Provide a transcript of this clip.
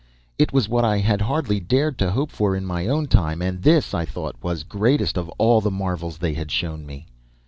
It was what I had hardly dared to hope for, in my own time, and this, I thought, was greatest of all the marvels they had shown me!